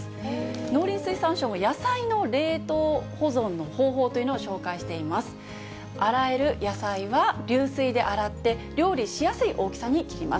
農林水産省が野菜の冷凍保存の方法というのを紹介しています。